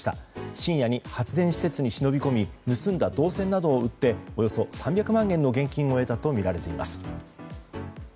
深夜に発電施設に忍び込み盗んだ銅線などを売っておよそ３００万円の現金を得たとみられています。